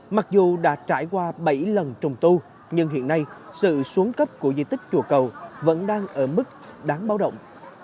mặc dù đã trải qua bảy lần trùng tu nhưng hiện nay sự xuống cấp của di tích chùa cầu vẫn đang ở mức đáng báo động